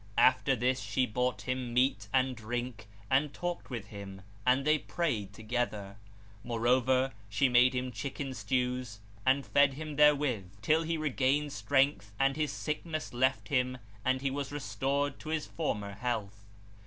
After this, she brought him meat and drink and talked with him and they prayed together: moreover, she made him chicken stews and fed him therewith, till he regained strength and his sickness left him and he was restored to his former health.